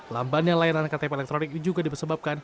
lambannya layanan ktp elektronik ini juga dipersebabkan